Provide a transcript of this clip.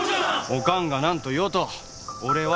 おかんが何と言おうと俺は帰らねえ。